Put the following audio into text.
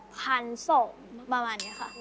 พันศพแบบนี้ค่ะ